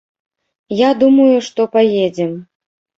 Я думаю, што паедзем.